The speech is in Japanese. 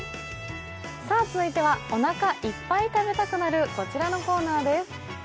続いては、おなかいっぱいに食べたくなるこちらのコーナーです。